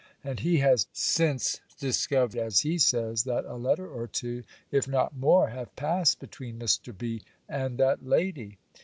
And he has since discovered, as he says, that a letter or two, if not more, have passed between Mr. B. and that lady.